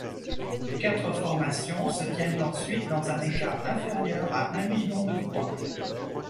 Quatre formations se tiennent ensuite dans un écart inférieur à un million de voix.